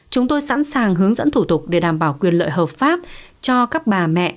chúng tôi sẵn sàng hướng dẫn thủ tục để đảm bảo quyền lợi hợp pháp cho các bà mẹ